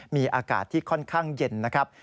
มีอากาศที่ค่อนข้างเย็นนะครับ